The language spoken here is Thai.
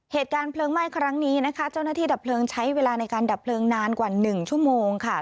เหตุการณ์เพลิงไหม้ครั้งนี้นะคะเจ้าหน้าที่ดับเพลิงใช้เวลาในการดับเพลิงนานกว่า๑ชั่วโมงค่ะ